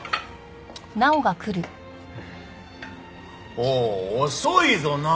おお遅いぞ直央！